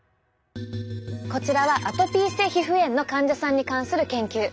こちらはアトピー性皮膚炎の患者さんに関する研究。